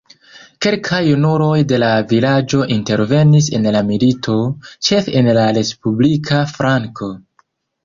Kelkaj junuloj de la vilaĝo intervenis en la milito, ĉefe en la respublika flanko.